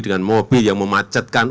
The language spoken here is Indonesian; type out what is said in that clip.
dengan mobil yang memacetkan